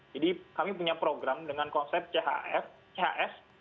jadi kami punya program dengan konsep chs